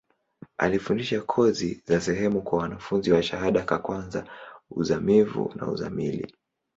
Alifundisha kozi za hesabu kwa wanafunzi wa shahada ka kwanza, uzamivu na uzamili.